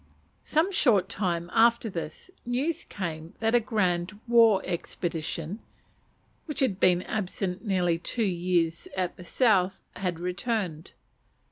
Some short time after this, news came that a grand war expedition, which had been absent nearly two years at the South, had returned.